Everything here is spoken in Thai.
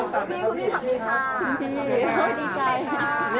ขอบคุณพี่ด้วยนะครับ